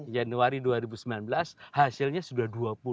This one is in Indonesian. januari dua ribu sembilan belas hasilnya sudah dua puluh